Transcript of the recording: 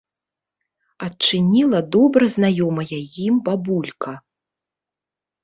Адчыніла добра знаёмая ім бабулька.